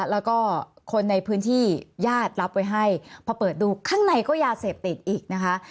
แล้วก็คนในพื้นที่ญาติรับไว้ให้พอเปิดดูข้างในก็ยาเสพติดอีกนะคะ